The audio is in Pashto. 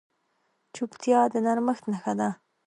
چوپتیا، د نرمښت نښه ده.